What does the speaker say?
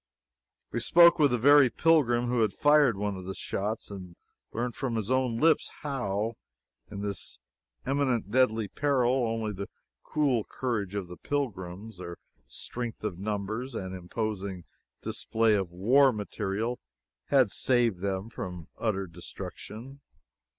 We spoke with the very pilgrim who had fired one of the shots, and learned from his own lips how, in this imminent deadly peril, only the cool courage of the pilgrims, their strength of numbers and imposing display of war material, had saved them from utter destruction.